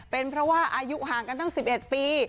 เป็นเพราะว่าอายุห่างกันตั้ง๑๑ปี